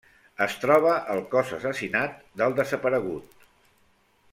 Es troba el cos assassinat del desaparegut.